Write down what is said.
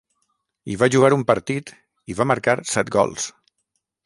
Hi va jugar un partit, i va marcar set gols.